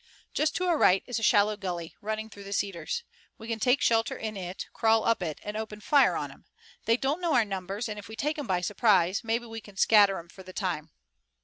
"Just to our right is a shallow gully, running through the cedars. We can take shelter in it, crawl up it, and open fire on 'em. They don't know our numbers, and if we take 'em by surprise maybe we can scatter 'em for the time."